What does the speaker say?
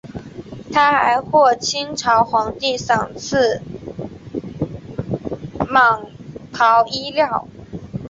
他还获清朝皇帝赏赐蟒袍衣料。